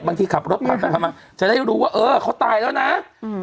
บางทีขับรถขับไปพามาจะได้รู้ว่าเออเขาตายแล้วนะอืม